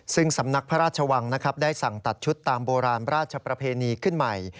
ซึ่งสำนักพระราชวังนะครับได้สั่งตัดชุดตามโบราณราชประเพณีขึ้นใหม่